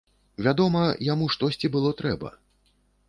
Вядома, яму штосьці было трэба.